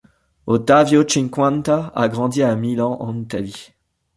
Ottavio Cinquanta a grandi à Milan en Italie.